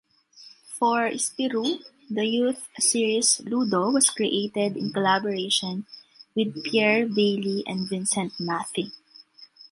For "Spirou", the youth series "Ludo" was created in collaboration with Pierre Bailly and Vincent Mathy.